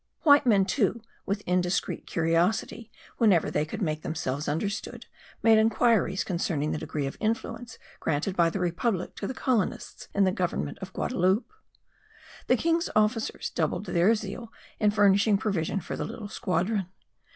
White men, too, with indiscreet curiosity, whenever they could make themselves understood, made enquiries concerning the degree of influence granted by the republic to the colonists in the government of Guadaloupe. The king's officers doubled their zeal in furnishing provision for the little squadron.